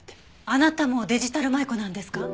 あなたもデジタル舞子なんですか？